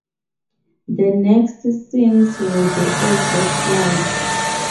The next scenes were the "Age of Flight".